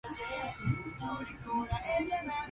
The album featured six vocal songs and five instrumentals.